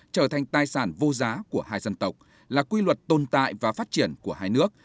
trở thành tài sản vô giá của hai dân tộc là quy luật tồn tại và phát triển của hai nước